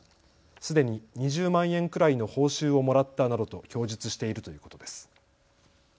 すでに２０万円くらいの報酬をもらったなどと供述しているということです。